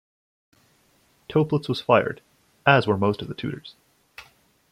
Toeplitz was fired, as were most of the tutors.